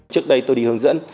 trước đây tôi đi hướng dẫn